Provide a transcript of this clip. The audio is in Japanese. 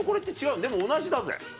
でも同じだぜ。